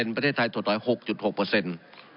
ประเทศไทยถดถอย๖๖เปอร์เซ็นต์